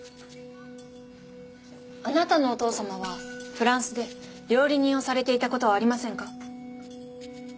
あなたのお父様はフランスで料理人をされていた事はありませんか？